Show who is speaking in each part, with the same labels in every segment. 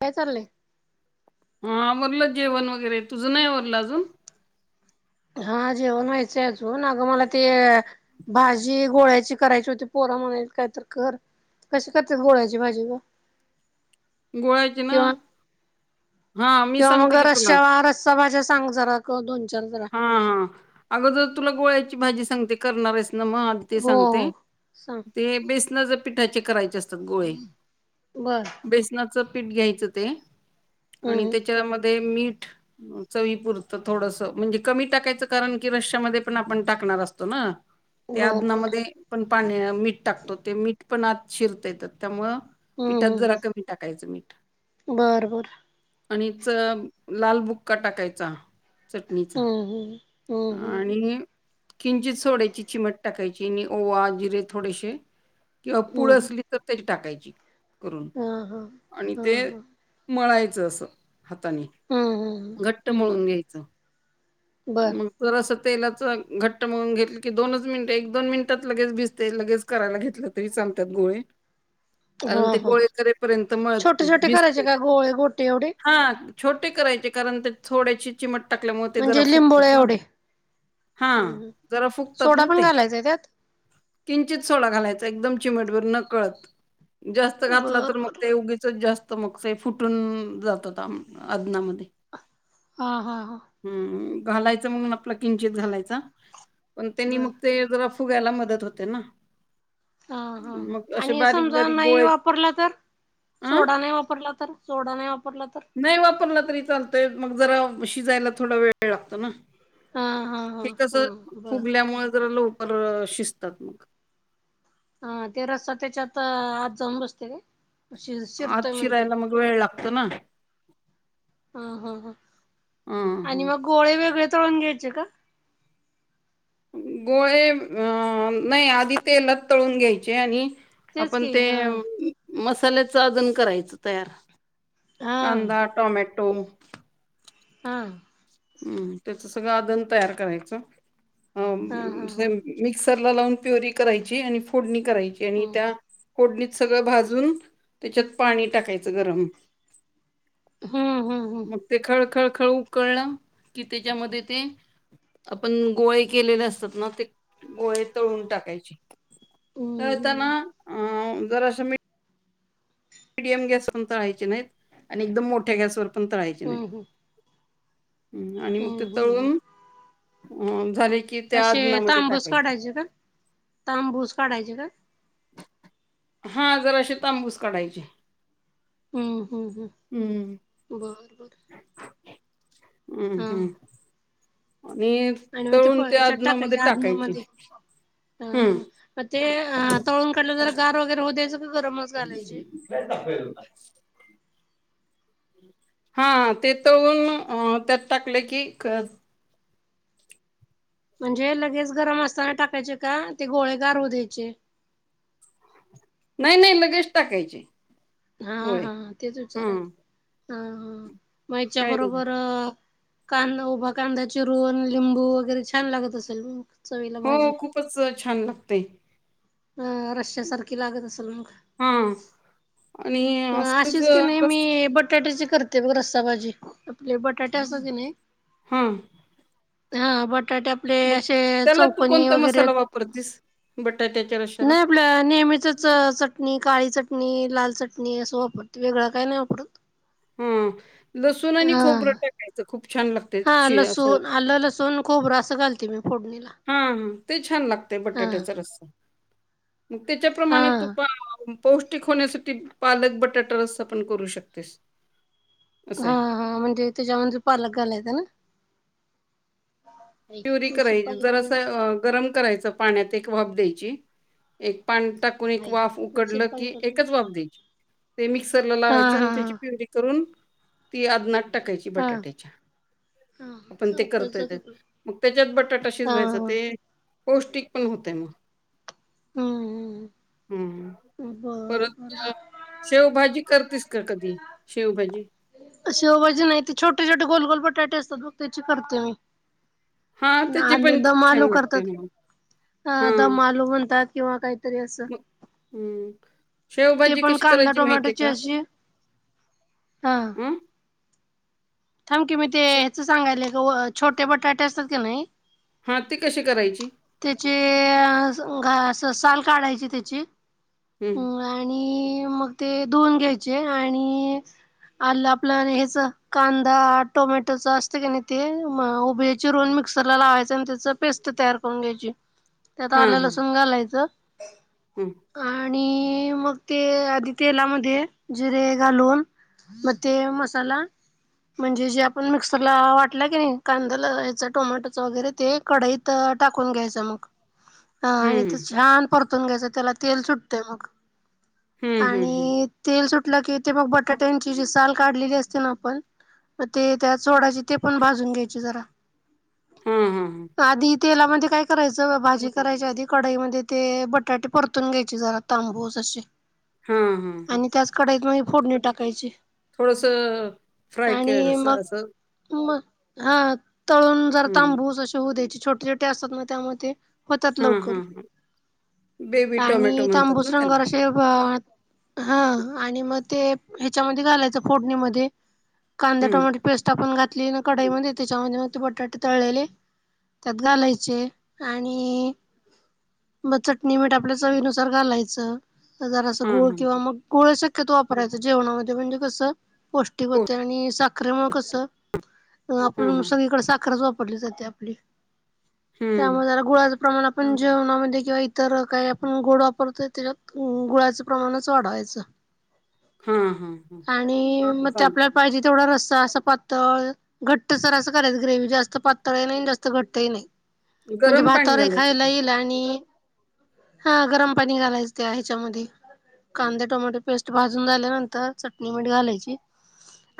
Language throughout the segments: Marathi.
Speaker 1: काय चाललंय
Speaker 2: हा आवरलं जेवण वगैरे तुझ नाही आवरलं अजून?
Speaker 1: हा जेवण व्हायचंय अजून अगं मला ते भाजी गोळ्याची करायची होती पोराना त्यामुळे काय तर कर कशी करते गोळ्याची भाजी
Speaker 2: गोळयाची ना
Speaker 1: किंवा
Speaker 2: हा मी
Speaker 1: किंवा मग
Speaker 2: सांगते की तुला
Speaker 1: रस्सा रस्सा भाज्या सांग जरा दोन चार जरा
Speaker 2: हा- हा अगं जर तुला गोळ्याची भाजी सांगते करणार हायसना मग ते
Speaker 1: हो हो
Speaker 2: सांगते
Speaker 1: सांग
Speaker 2: ते बेसनाच्या पिठाचे करायचे असतात. गोळे
Speaker 1: बर
Speaker 2: बेसनाच पीठ घ्यायचं ते आणि
Speaker 1: हम्म
Speaker 2: त्याच्यामध्ये मीठ चवीपुरतं थोडस म्हणजे कमी टाकायचं कारण की रश्यामध्ये पण आपण टाकणार असतो ना ते
Speaker 1: बर बर
Speaker 2: आदनामध्ये पण पाणी मीठ टाकतो ते मीठ पण आत शिरता त्यात त्यामुळ
Speaker 1: हम्म
Speaker 2: पिठात
Speaker 1: हम्म
Speaker 2: जरा
Speaker 1: हम्म
Speaker 2: कमी टाकायचं मीठ.
Speaker 1: बर बर
Speaker 2: आणिच लाल बुक्का टाकायचा.
Speaker 1: हम्म,
Speaker 2: चटणीचा
Speaker 1: हम्म. हम्म हम्म
Speaker 2: आणि किंचित सोड्याची चिमट टाकायची आणि ओवा जिरे थोडेशे. किंवा पूड
Speaker 1: हम्म
Speaker 2: असली तर त्याची टाकायची करून
Speaker 1: हा हा
Speaker 2: आणि
Speaker 1: हा
Speaker 2: ते
Speaker 1: हा
Speaker 2: मळायच अस हातानी
Speaker 1: हम्म हम्म
Speaker 2: घट्ट मळून
Speaker 1: हम्म
Speaker 2: घ्यायचं
Speaker 1: बर
Speaker 2: मग जरास तेलाच घट्ट म्हळून घेतलं की दोनच मिनटे एक दोन मिनटात लगेच भिजते लगेच करायला घेतलं तरी चालेल सांगतात गोळे
Speaker 1: हा
Speaker 2: कारण ते
Speaker 1: हा
Speaker 2: गोळे करेपर्यंत मळत
Speaker 1: छोटे छोटे करायचे
Speaker 2: भिजते
Speaker 1: का गोळे गोटे एवढे
Speaker 2: हा छोटे करायचे कारण ते थोड्याची चिमट टाकल्यामुळे ते
Speaker 1: म्हणजे
Speaker 2: जरा फुकतात
Speaker 1: लिंबोळे एवढे
Speaker 2: मग हा
Speaker 1: हम्म हम्म.
Speaker 2: जरा फुकतात
Speaker 1: सोडा
Speaker 2: ना
Speaker 1: पण
Speaker 2: ते
Speaker 1: घालायचाय त्यात
Speaker 2: किंचित सोडा घालायच एकदम चिमटभर न कळत जास्त घातला
Speaker 1: बर
Speaker 2: तर मग
Speaker 1: बर
Speaker 2: ते उगीचच जास्त मग ते फुटून जातात आदनामध्ये
Speaker 1: हा- हा- हा
Speaker 2: घालायचं म्हणून आपला किंचित घालायचा पण त्यांनी
Speaker 1: बर
Speaker 2: मग ते जरा फूगायला मदत होते ना
Speaker 1: हा- हा
Speaker 2: मग असे
Speaker 1: आणि समजा
Speaker 2: बारीक-बारीक
Speaker 1: नाही
Speaker 2: गोळे
Speaker 1: वापरला तर
Speaker 2: अ?
Speaker 1: सोडा नाही वापरला तर सोडा नाही वाप
Speaker 2: नाही वापरला तरी चालतय मग जरा शिजायला थोडा वेळ लागतो ना
Speaker 1: हा हा हा
Speaker 2: हे कस
Speaker 1: हा बर
Speaker 2: फुगल्यामुळे जरा लव कर शिजतात मग
Speaker 1: हा ते रस्सा त्याच्यात आत जाऊन बसतय ने
Speaker 2: आत शिरायला मग वेळ लागतो ना
Speaker 1: हा -हा -हा
Speaker 2: हां, हां.
Speaker 1: आणि मग गोळे वैग तळून घ्यायचे का
Speaker 2: गोळे अ नाही आधी तेलात तळून घ्यायचे आणि
Speaker 1: तेच
Speaker 2: आपण
Speaker 1: की
Speaker 2: ते
Speaker 1: हा
Speaker 2: मसाल्याच अजून करायचं तयार
Speaker 1: हा
Speaker 2: कांदा टोमॅटो
Speaker 1: हा
Speaker 2: त्याच सगळं आदन तयार करायचं अ
Speaker 1: हा हा हा
Speaker 2: मिक्स तरला लावून प्युरी करायची आणि फोडणी करायची आणि
Speaker 1: हम्म
Speaker 2: त्या फोडणी- सगळं भाजून त्याच्यात पाणी टाकायचं गरम
Speaker 1: हम्म हम्म हम्म हम्म
Speaker 2: मग ते खळखळ खळ उकळलं की त्याच्यामध्ये ते- आपण गोळे केलेले असतात ना ते गोळे तळून टाकायचे
Speaker 1: हम्म
Speaker 2: ताना
Speaker 1: हम्म
Speaker 2: अ जरा असं मी मीडियम गॅस पण तळायचे नाहीत आणि एकदम मोठ्या गॅसवरर पण तळायचे नाहीत
Speaker 1: हम्म हम्म.
Speaker 2: ह् आणि मग ते
Speaker 1: हम्म हम्म हम्म
Speaker 2: तळून अ- झाले की त्या
Speaker 1: असे
Speaker 2: आदनामध्ये
Speaker 1: तांबूस
Speaker 2: टाकायचे
Speaker 1: काढायचे का तांबूस काढायचे का
Speaker 2: हा जरा असे तांबूस काढायचे
Speaker 1: हम्म हम्म हम्
Speaker 2: हम्म
Speaker 1: बरोबर
Speaker 2: हम् हम्म
Speaker 1: आणि मग ते
Speaker 2: तळून
Speaker 1: पोयच्यात
Speaker 2: आदनामध्ये
Speaker 1: टाकायच्या
Speaker 2: टाकायचे
Speaker 1: आदनामध्ये
Speaker 2: हम्म
Speaker 1: ते तळून काढलं ज गार वगैरे होऊ द्याच
Speaker 2: इ तफे होता हा ते तळुन त्यात टाकले की
Speaker 1: म्हणजे लगेच गरम असताना टाकायचे का ते गोळे गारू द्यायचे [inaudible]
Speaker 2: नाही नाही लगेच टाकायचे
Speaker 1: हा
Speaker 2: गोळे
Speaker 1: हा तेच
Speaker 2: हा
Speaker 1: विचारायच हा हा मगच्या
Speaker 2: काय नाही
Speaker 1: बरोबर कांदा उभा कांदा चिरूण लिंबू वगैरे छान लागत असेल मग चवीला
Speaker 2: हो
Speaker 1: भाजी
Speaker 2: खूपच छान लागतेय
Speaker 1: अ रश्या सारखी लागत असेल मग
Speaker 2: हम्म
Speaker 1: अशीस की नाही मी बटाट्याचे करते ब रस्सा भाजी आपले बटाटे अस क नाही
Speaker 2: हा हा
Speaker 1: हा बट बटाटे आपले
Speaker 2: त्याला तू
Speaker 1: चौकोनी
Speaker 2: कोणता
Speaker 1: वगेरे
Speaker 2: मसाला वापरतीस बटाट्याच्या रशाला?
Speaker 1: नाही आपले नेहमी तर चटणी काळी चटणी लाल चटणी असं वापरते वेगळं काय नाही वापरत
Speaker 2: हा लसूण आणि
Speaker 1: हा
Speaker 2: खोबर टाकायच
Speaker 1: हा लसूण आलं लसूण खोबरं असं घालते मी फोडणीला
Speaker 2: हा हा ते छान लागते
Speaker 1: हा
Speaker 2: बटाट्याचा रस्सा मग
Speaker 1: हा
Speaker 2: त्याच्याप्रमाणे तू पौष्टिक होण्यासाठी पालक बटाटा रस्ता पण करू शकतेस असं
Speaker 1: हा
Speaker 2: आहे
Speaker 1: हा म्हणजे त्याच्या म्ह पालक झाालायत ना
Speaker 2: प्युरी
Speaker 1: तुळशीला
Speaker 2: करायची
Speaker 1: पाणी घालून
Speaker 2: जरास गरम करायचं पाण्यात एक वाप द्यायची एक पान टाकून एक वाफ
Speaker 1: तुळशीला
Speaker 2: उकडलं
Speaker 1: पाणी
Speaker 2: की
Speaker 1: घालून
Speaker 2: एकच वाफ द्यायची ते मिक्सरला
Speaker 1: हा
Speaker 2: लावायचं
Speaker 1: हा
Speaker 2: आणि त्याची पिवडी करून ती आदनाट टाकायची
Speaker 1: हा हा
Speaker 2: बटाट्याच्या
Speaker 1: हा
Speaker 2: आपण ते
Speaker 1: चौकळीच
Speaker 2: करतोयेत
Speaker 1: तिथून
Speaker 2: मग त्याच्यात बटाटाशीच
Speaker 1: हा
Speaker 2: व्हायचं
Speaker 1: हा
Speaker 2: ते पौष्टिक पण होतय मग
Speaker 1: हम्म हम्म
Speaker 2: हं परत शेवभाजी करतेस का कधी शेवभाजी
Speaker 1: शेवजी नाही ते छोटे छोटे गोलगोल बटाटे असतात मग त्याची करते
Speaker 2: हां
Speaker 1: मी
Speaker 2: त्याची
Speaker 1: आलू
Speaker 2: पण
Speaker 1: दम
Speaker 2: खूप
Speaker 1: आलू
Speaker 2: छान लागते
Speaker 1: करतात
Speaker 2: मग.
Speaker 1: अ
Speaker 2: हां
Speaker 1: दम आलू म्हणतात किंवा काहीतरी असं
Speaker 2: मग हं.
Speaker 1: ते
Speaker 2: शेवभाजी
Speaker 1: पण
Speaker 2: कशी
Speaker 1: कांदा
Speaker 2: करायची माहिती
Speaker 1: टोमॅटोची
Speaker 2: आहे का?
Speaker 1: अशी हा
Speaker 2: अं?
Speaker 1: थमकीी मी ते
Speaker 2: शे
Speaker 1: हच सांगायल का छोटे बटाटे असतात की नाही
Speaker 2: हां ती कशी करायची?
Speaker 1: त्याचे घ ससाल काढायची त्याची
Speaker 2: हं.
Speaker 1: आणि मग ते दोन घ्यायचे आणि आल्ल आपल हेच कांदा टोमॅटोच असतं का नाही ते म ऊभे चिरून मिक्सरला लावायचं आणि त्याच पेस्ट तयार करून घ्यायची त्यात
Speaker 2: हां,
Speaker 1: आल्ल
Speaker 2: हां.
Speaker 1: लसून घालायचं
Speaker 2: हं,
Speaker 1: आणि मग ते आधी तेलामध्ये जिरे घालून म ते मसाला म्हणजे जे आपण मिक्सरला वाटलं की नाही कांदा याच टोमॅटोच वगैरे ते कढईत टाकून घ्यायचं मग हा आणि ते
Speaker 2: हं.
Speaker 1: छान परतून घ्यायचं त्याला तेल सुटतय मग
Speaker 2: हं, हं, हं.
Speaker 1: आणि तेल सुटलं की ते मग बटाट्यांची जी साल काढलेली असते ना आपण ते त्या चोडाची ते पण भाजून घ्यायचे जरा
Speaker 2: हा हा हम
Speaker 1: आधी तेलामध्ये काय करायचं भाजी करायच्या आधी कडाईमध्येध्ये ते बटाटे परतून घ्यायचे जरा तांबूस असे
Speaker 2: हां, हां,
Speaker 1: आणि त्याच कढईत मग फोडणी टाकायची
Speaker 2: थोडस
Speaker 1: आणि मग मग हा तळून जरा
Speaker 2: हं.
Speaker 1: तांबूस असे होऊ द्यायचे छोटे छोटे असतात ना त्यामध्ये होतात
Speaker 2: हां,
Speaker 1: लवकर
Speaker 2: हां, हां. बेबी टोमॅटो
Speaker 1: आणि
Speaker 2: म्हणतात
Speaker 1: तांबूस
Speaker 2: ना
Speaker 1: रंगवर
Speaker 2: त्याला.
Speaker 1: असे हा आणि मग ते ह्याच्यामध्ये घालायचं फोडणीमध्ये कांदा
Speaker 2: हं.
Speaker 1: टमॅटो पेस्ट आपण घातली ना कढाईमध्ये त्याच्यामध्ये मग ते बटाटे तळलेले त्यात घालायचे आणि मग चटणी मीठ आपल्या चवीनुसार घालायचं जरा अस
Speaker 2: हां,
Speaker 1: गुळ
Speaker 2: हां.
Speaker 1: किंवा मग गुळ शक्यतो वापरायच जेवणामध्ये म्हणजे कसं पौष्टिक
Speaker 2: हो.
Speaker 1: आणि साखरेमुळ कसं
Speaker 2: हां,
Speaker 1: आपण
Speaker 2: हां.
Speaker 1: सगळीकडे साखरच वापरली जाते आपली
Speaker 2: हं.
Speaker 1: त्यामुळे जरा गुळाच प्रमाण आपण जेवणामध्ये किंवा इतर काही आपण गोड वापरतोय त्यात गुळाचं प्रमाणच वाढावायच
Speaker 2: हां, हां, हां.
Speaker 1: आणि मग
Speaker 2: चालतं.
Speaker 1: आपल्याला पाहिजे तेवढा रस्सा असं पातळ घट्ट सर असं करायच ग्रेव जास्त पातळही नाही जास्त घट्टही नाही म्हणजे
Speaker 2: गरम पाणी
Speaker 1: भातावरही
Speaker 2: घालायचं
Speaker 1: खायला
Speaker 2: ते.
Speaker 1: येईल आणि हा गरम पाणी घालायच ते ह्याच्यामध्ये कांदे टोमॅटो पेस्ट भाजून झाल्यानंतर चटनी मीठ घालायची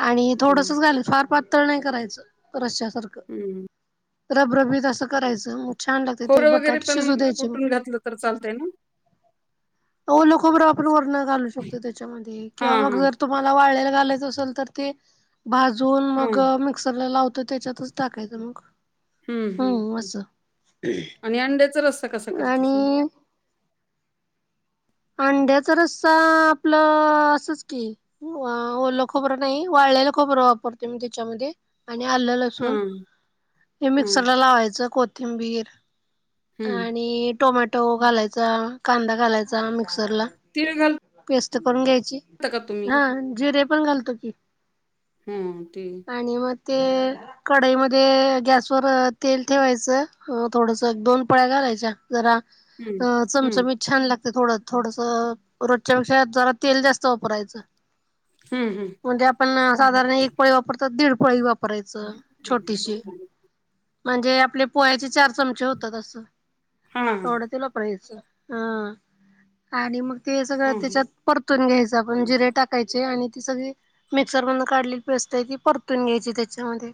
Speaker 1: आणि
Speaker 2: हं,
Speaker 1: थोडसच घालेल फार पातळ नाही करायचं रश्या सारखं
Speaker 2: हं.
Speaker 1: रबरबीत अस करायचं छान लागते ते
Speaker 2: खोबरं वगैरे
Speaker 1: बटाट
Speaker 2: पण
Speaker 1: शिजू द्यायचे मग
Speaker 2: कुटून घातलं तर चालतंय ना?
Speaker 1: ओल खबर आपण वरण घालू शकतो त्याच्यामध्ये किंवा
Speaker 2: हां,
Speaker 1: मग
Speaker 2: हां.
Speaker 1: जर तुम्हाला वाळयला घालायच असल तर ते भाजून
Speaker 2: हां.
Speaker 1: मग मिक्सरला लावत त्याच्यातच टाकायचं मग
Speaker 2: हम्म हम् हम् आणि अंड्याचा रस्ता कसा करतेस मग
Speaker 1: आणि आन अंढ्याचा रस्ता आपलं असच की ओलं खबर नाही वाळलेल खोबर वापरते मी त्याच्यामध्ये आणि आलं लसून
Speaker 2: हां,
Speaker 1: हे
Speaker 2: हां.
Speaker 1: मिक्सरला लावायचं कोथिंबीर
Speaker 2: हं.
Speaker 1: आणि टोमॅटो घालायचा कांदा घालायचा मिक्सरला
Speaker 2: तिळ
Speaker 1: पेस्ट करून घ्यायची हा जीरे पण घालतो की
Speaker 2: हम्म
Speaker 1: आणि मग ते कढाईमध्येध्ये गॅसवर तेल ठेवायचं थोडस दोन पळ्या घालायच्या जरा
Speaker 2: हं, हं.
Speaker 1: चमचमी छान लागते ते थोडं थोडस रोजच्या पेक्षा जरा तेल जास्त वापरायचं
Speaker 2: हं, हं.
Speaker 1: म्हणजे आपण साधारण एक पळी वापरतो दिड पळी वापर पोरायच छोटीशी म्हणजे आपले पोह्याचे चार चमचे होता तस
Speaker 2: हां, हां.
Speaker 1: तेवढ तेल वापरायच ह आणि मग ते सगळ
Speaker 2: हां, हां.
Speaker 1: त्याच्यात परतून घ्यायच आपण जिरे टाकायचे आणि ती सगळी मिक्सर मधन काढली पेस्ट आहे ती परतून घ्यायची त्याच्यामध्ये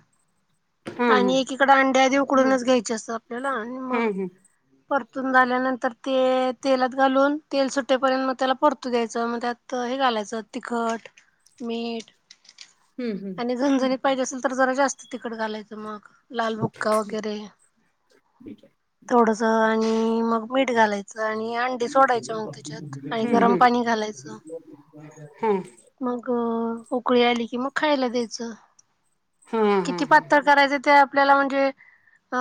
Speaker 2: हां, हां.
Speaker 1: आणि एकीकड अंड्या आधी उकडूनच घ्यायची जस आपल्याला आणि मग
Speaker 2: हां, हां.
Speaker 1: परतून झाल्यानंतर ते तेलात घालून तेल सुटेपर्यंत मग त्याला परतू द्यायच मग त्यात हे घालायच तिखट मीठ
Speaker 2: हं, हं.
Speaker 1: आणि झणझणीत पाहिजे असेल तर जरा जास्त तिकट घालायच मग लालबुक्का वगैरे थोडस आणि मग मीठ घालाय आणि अंडी सोडायच मग त्याच्यात आणि गरम पाणी घालायच
Speaker 2: हम्म्
Speaker 1: मग उकळी आली की मग खायला द्यायच
Speaker 2: हां, हां,
Speaker 1: किती
Speaker 2: हां.
Speaker 1: पातळ करायच त्या आपल्याला म्हणजे अ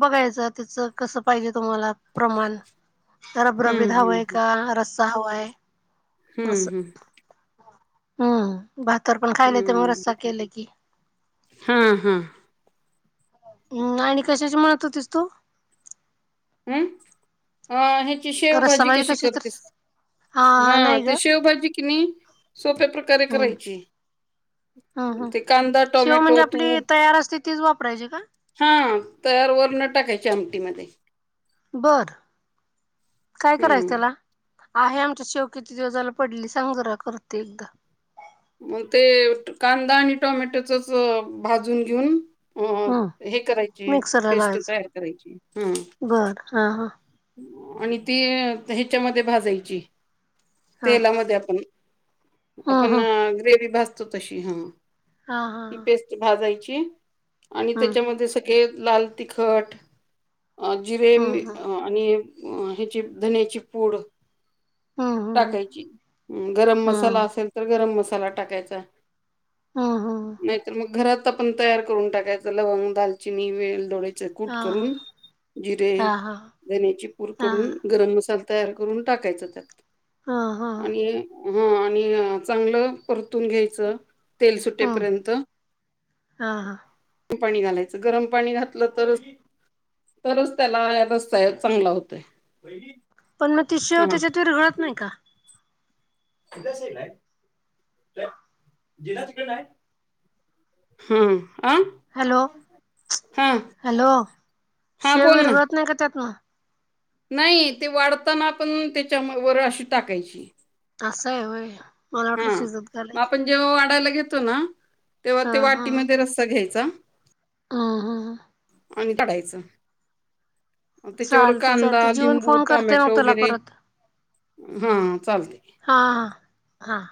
Speaker 1: बघायच त्याच कस पाहिजे तुम्हाला प्रमाण रबरबित
Speaker 2: हं,
Speaker 1: हवय का रस्सा हवाय?
Speaker 2: हम्म हम्म
Speaker 1: हम्म् भातावर पण खायला येते मग
Speaker 2: हं.
Speaker 1: रस्सा केले की
Speaker 2: हां, हां.
Speaker 1: हम्म् आणि कशाशी म्हणत होतेस तू
Speaker 2: अम्म् अ ह्याची
Speaker 1: रस्सा
Speaker 2: शेवभाजी
Speaker 1: भाजी
Speaker 2: कशी
Speaker 1: तर
Speaker 2: करतेस? हा ते शेवभाजी कि नाही सोप्या प्रकारे
Speaker 1: हम्म
Speaker 2: करायची
Speaker 1: हम्म हम्म
Speaker 2: ते कांदा
Speaker 1: शेव म्हणजे
Speaker 2: टोमॅटो
Speaker 1: आपली
Speaker 2: तूप
Speaker 1: तयार असते तीच वापरायची का
Speaker 2: हा तयार वरण टाकायची आमटीमध्ये
Speaker 1: बर काय करायच
Speaker 2: हं.
Speaker 1: त्याला आहे आमच्या शेव कीती दिवस झाल पडली सांग जरा करते एकदा
Speaker 2: मग ते कांदा आणि टोमॅटोचच भाजून घेऊन अ
Speaker 1: हम्म
Speaker 2: हे करायचे
Speaker 1: मिक्सरला
Speaker 2: पेस्ट
Speaker 1: लावायचं
Speaker 2: तयार करायची हम्म्
Speaker 1: बरं हा हा
Speaker 2: आणि ती ह्याच्यामध्ये भाजायची
Speaker 1: हा
Speaker 2: तेलामध्ये आपण
Speaker 1: हा
Speaker 2: आपण
Speaker 1: हा
Speaker 2: ग्रेवी भाजतो तशी हा
Speaker 1: हा हा
Speaker 2: ही पेस्ट भाजायची हम्म् आणि
Speaker 1: हा हा
Speaker 2: त्याच्यामध्ये सगळे लाल तिखट अ जिरे
Speaker 1: हा हा
Speaker 2: मिठ हि एक अ ह्याची धन्याची पूड
Speaker 1: हम्म हम्म
Speaker 2: टाकायची अम्म् गरम मसाला
Speaker 1: हम्म
Speaker 2: असेल तर गरम मसाला टाकायचा
Speaker 1: हम्म हम्म
Speaker 2: नाहीतर मग घरात आपण तयार करून टाकायच. लवंग, दालचिनी, वेलदोडे ते कूट
Speaker 1: हा
Speaker 2: करून जिरे,
Speaker 1: हा हा
Speaker 2: धण्याची पुड
Speaker 1: हा
Speaker 2: करून गरम मसाल तयार करून टाकायच त्यात
Speaker 1: हा हा
Speaker 2: हो आणि चांगल परतू न घ्यायच तेल
Speaker 1: हम्म
Speaker 2: सुटेपर्यंत
Speaker 1: हा हा
Speaker 2: पाणी घालायच. गरम पाणी घातल तरच तरच त्याला ह रस्सा चांगला होतोय.
Speaker 1: पण मग ती शेव
Speaker 2: हां,
Speaker 1: त्याच्यात विरघळत नाही का?
Speaker 2: तथल आहे जिना चिकट आहे [unintelligible] हम्म्
Speaker 1: हॅलो, हॅलो,
Speaker 2: हां
Speaker 1: शेव
Speaker 2: बोल ना.
Speaker 1: विरघळत नाही का त्यात मगं
Speaker 2: नाही ते वाढताना पण त्याच्या म वर अशी टाकायची.
Speaker 1: असं होय. मला
Speaker 2: हा
Speaker 1: वाटलं शिजत
Speaker 2: मग
Speaker 1: घालायची
Speaker 2: आपण जेव्हा वाढायला घेतो ना तेव्हा
Speaker 1: हा
Speaker 2: ते वाटीमध्ये रस्सा घ्यायचा.
Speaker 1: हा हा हा
Speaker 2: आणि काढायच. त्याच्या वर
Speaker 1: चालते
Speaker 2: कांदा,
Speaker 1: चालते जीवन
Speaker 2: लिंबू,
Speaker 1: फोन करते मग
Speaker 2: टोमॅटो
Speaker 1: तुला
Speaker 2: वगैरे
Speaker 1: परत
Speaker 2: हा चालते.
Speaker 1: हा हा हा